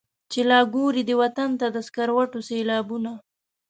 چي لا ګوري دې وطن ته د سکروټو سېلابونه.